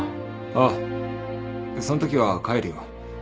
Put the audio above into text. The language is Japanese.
ああそんときは帰るよ。